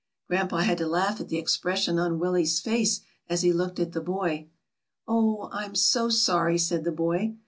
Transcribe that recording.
Grandpa had to laugh at the expression on Willie's face, as he looked at the leg. "Oh! I'm so sorry," said the boy.